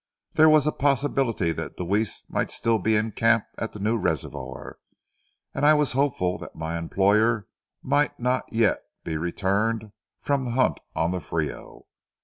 There was a possibility that Deweese might still be in camp at the new reservoir, and I was hopeful that my employer might not yet be returned from the hunt on the Frio.